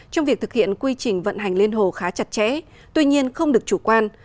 trong việc thực hiện quy trình vận hành liên hồ khá chặt chẽ tuy nhiên không được chủ quan